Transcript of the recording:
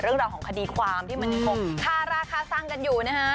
เรื่องราวของคดีความที่มันยังคงคาราคาซังกันอยู่นะฮะ